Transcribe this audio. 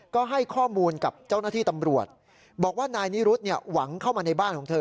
ก็ให้ข้อมูลกับเจ้าหน้าที่ตำรวจบอกว่านายนิรุธหวังเข้ามาในบ้านของเธอ